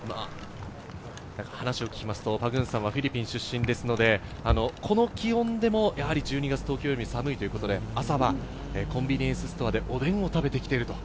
話を聞きますと、パグンサンはフィリピン出身ですので、この気温でも１２月、東京よりは寒いということで、朝はコンビニエンスストアでおでんを食べてきていると。